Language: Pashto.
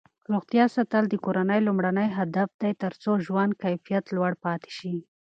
روغتیا ساتل د کورنۍ لومړنی هدف دی ترڅو ژوند کیفیت لوړ پاتې شي.